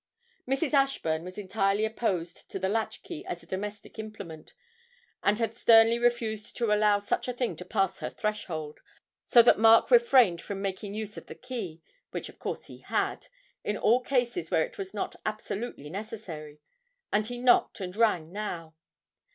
Mrs. Ashburn was entirely opposed to the latch key as a domestic implement, and had sternly refused to allow such a thing to pass her threshold, so that Mark refrained from making use of the key which of course he had in all cases where it was not absolutely necessary, and he knocked and rang now.